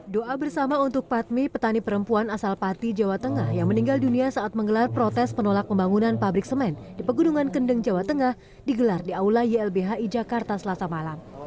doa bersama untuk patmi petani perempuan asal pati jawa tengah yang meninggal dunia saat menggelar protes penolak pembangunan pabrik semen di pegunungan kendeng jawa tengah digelar di aula ylbhi jakarta selasa malam